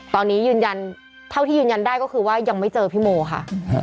ตอนนี้ยืนยันเท่าที่ยืนยันได้ก็คือว่ายังไม่เจอพี่โมค่ะ